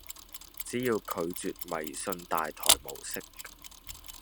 只要拒絕迷信大台模式